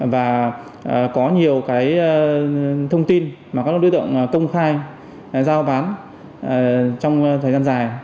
và có nhiều thông tin mà các đối tượng công khai giao bán trong thời gian dài